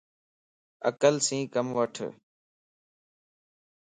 عقل سين ڪم وٺ